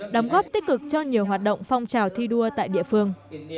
đóng góp tích cực cho nhiều hoạt động phong trào thi đua tại địa phương